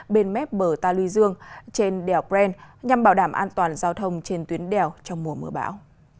bên mép bờ ta luy dương trên đèo bren nhằm bảo đảm an toàn giao thông trên tuyến đèo trong mùa mưa bão